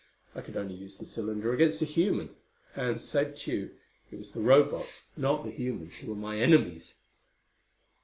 I could only use the cylinder against a human and, save Tugh, it was the Robots, not the humans who were my enemies!